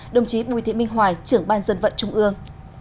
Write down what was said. đồng chí bùi thị minh hoài trưởng ban dân vận trung ương